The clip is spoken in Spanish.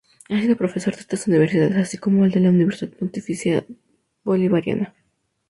Ha sido profesor de estas universidades, así como de la Universidad Pontificia Bolivariana.